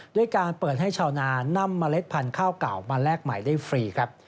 ด้วยการเปิดให้ชาวนานำเมล็ดพันธุ์ข้าวเก่ามาแลกใหม่ได้ฟรีครับ